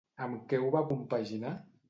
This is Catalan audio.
Amb què ho va compaginar?